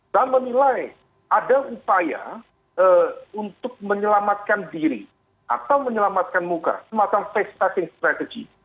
saya menilai ada upaya untuk menyelamatkan diri atau menyelamatkan muka semacam face stacing strategy